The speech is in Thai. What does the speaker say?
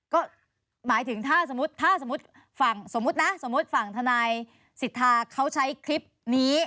ก็หมายถึงถ้าสมมุติถ้าสมมุติฝั่งสมมุตินะสมมุติฝั่งทนายสิทธาเขาใช้คลิปนี้